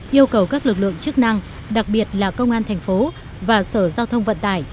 yêu cầu các lực lượng chức năng đặc biệt là công an thành phố và sở giao thông vận tải